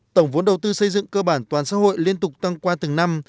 tổng vốn đầu tư xây dựng cơ bản toàn xã hội liên tục tăng qua từng năm